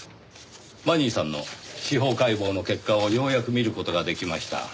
マニーさんの司法解剖の結果をようやく見る事ができました。